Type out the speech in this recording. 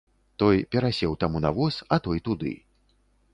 Той перасеў таму на воз, а той туды.